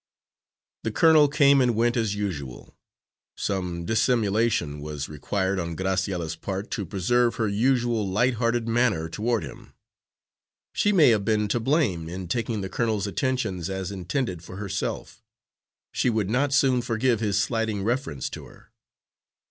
The colonel came and went as usual. Some dissimulation was required on Graciella's part to preserve her usual light hearted manner toward him. She may have been to blame in taking the colonel's attentions as intended for herself; she would not soon forgive his slighting reference to her.